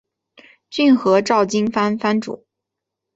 骏河沼津藩藩主。